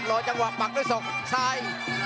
รอจังหว่าบวกชาย